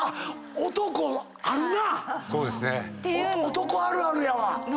男あるあるやわ。